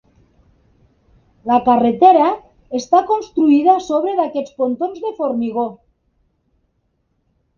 La carretera està construïda a sobre d'aquests pontons de formigó.